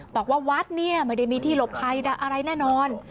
บอกว่าวัดเนี่ยไม่ได้มีที่หลบภัยอะไรแน่นอน